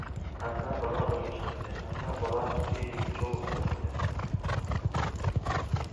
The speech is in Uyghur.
ھەممە بالا ئوينىشاتتى، ھەممە بالا قىي-چۇۋ سالاتتى.